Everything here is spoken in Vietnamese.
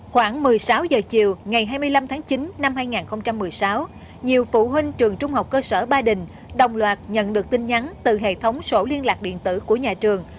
khoảng một mươi sáu h chiều ngày hai mươi năm tháng chín năm hai nghìn một mươi sáu nhiều phụ huynh trường trung học cơ sở ba đình đồng loạt nhận được tin nhắn từ hệ thống sổ liên lạc điện tử của nhà trường